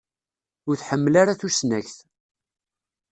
Ur tḥemmel ara tusnakt.